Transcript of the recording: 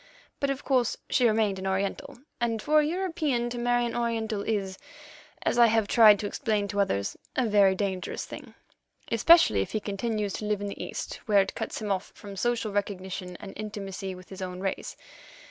But, of course, she remained an Oriental, and for a European to marry an Oriental is, as I have tried to explain to others, a very dangerous thing, especially if he continues to live in the East, where it cuts him off from social recognition and intimacy with his own race.